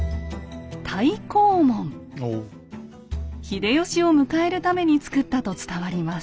秀吉を迎えるために作ったと伝わります。